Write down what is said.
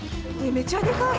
めちゃでかい。